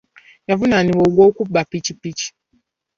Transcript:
Yavunaanibwa ogw'okubba ppikippiki.